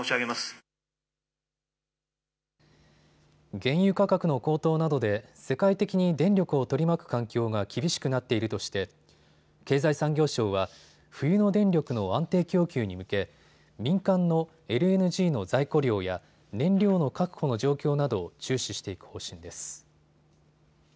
原油価格の高騰などで世界的に電力を取り巻く環境が厳しくなっているとして経済産業省は冬の電力の安定供給に向け民間のＬＮＧの在庫量や燃料の確保の状況などを注視していく方針です。